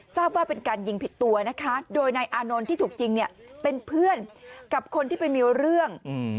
ทราบว่าเป็นการยิงผิดตัวนะคะโดยนายอานนท์ที่ถูกยิงเนี่ยเป็นเพื่อนกับคนที่ไปมีเรื่อง